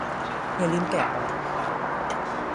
อย่าลืมแกะออก